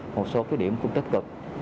một số cái điểm cũng tích cực